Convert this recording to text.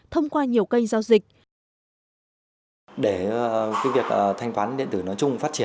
thông qua nhiều kênh giao dịch